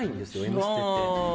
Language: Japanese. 『Ｍステ』って。